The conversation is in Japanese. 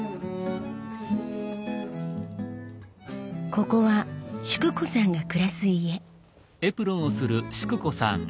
ここは淑子さんが暮らす家。